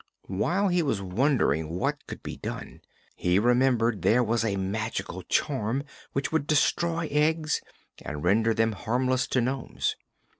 While he was wondering what could be done, he remembered there was a magical charm which would destroy eggs and render them harmless to nomes.